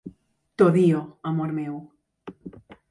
T'odio, amor meu!